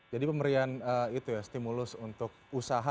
jadi pemberian itu ya stimulus untuk usaha